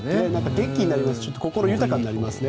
元気になりますし心が豊かになりますね。